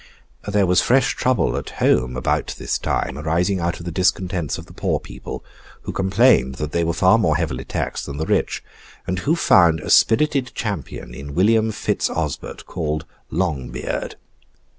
There was fresh trouble at home about this time, arising out of the discontents of the poor people, who complained that they were far more heavily taxed than the rich, and who found a spirited champion in William Fitz Osbert, called Longbeard.